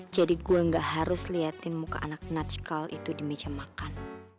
jadi gue enggak harus liatin muka anak natsikal itu di meja makan